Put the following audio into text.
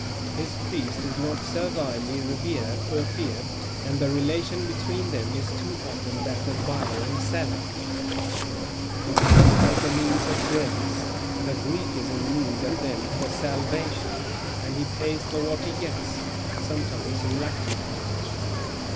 His priest is not servilely revered or feared, and the relation between them is too often that of buyer and seller. The priest has the means of grace, the Greek is in need of them for salvation, and he pays for what he gets, sometimes reluctantly.